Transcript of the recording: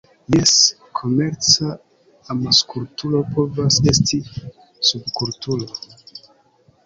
Jes, komerca amaskulturo povas esti subkulturo.